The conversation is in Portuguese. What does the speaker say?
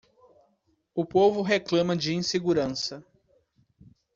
O povo reclama de insegurança.